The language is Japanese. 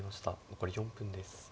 残り４分です。